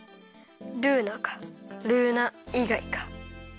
ルーナかルーナいがいか。